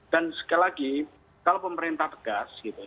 dan sekali lagi kalau pemerintah tegas